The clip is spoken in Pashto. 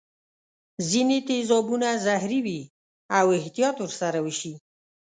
ځیني تیزابونه زهري وي او احتیاط ور سره وشي.